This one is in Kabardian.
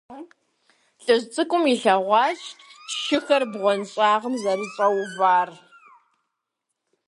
ЛӀыжь цӀыкӀум илъэгъуащ шыхэр бгъуэнщӀагъым зэрыщӀэувар.